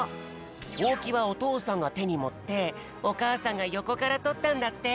ほうきはおとうさんがてにもっておかあさんがよこからとったんだって。